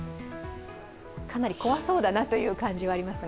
かなり怖そうだなという感じはありますが。